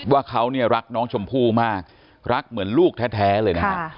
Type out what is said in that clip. ว่าเขาเนี่ยรักน้องชมพู่มากรักเหมือนลูกแท้เลยนะฮะ